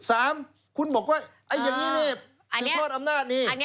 สามคุณบอกว่าไอ้อย่างนี้นี่คือทอดอำนาจนี่